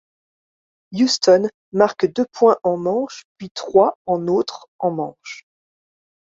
Houston marque deux points en manche, puis trois en autre en manche.